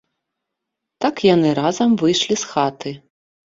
Так яны разам выйшлі з хаты.